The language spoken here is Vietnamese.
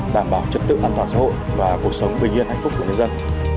đảm bảo trật tự an toàn xã hội và cuộc sống bình yên hạnh phúc của nhân dân